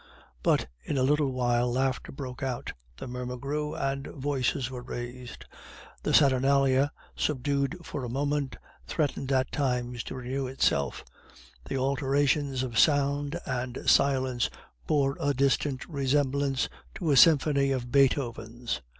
But in a little while laughter broke out, the murmur grew, and voices were raised. The saturnalia, subdued for a moment, threatened at times to renew itself. The alternations of sound and silence bore a distant resemblance to a symphony of Beethoven's.